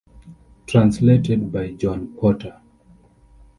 Translated by John Porter.